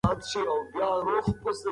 هوا د ژوند لپاره مهمه ده.